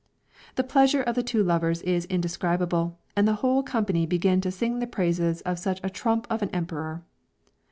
The pleasure of the two lovers is indescribable, and the whole company begin to sing the praises of such a trump of an emperor.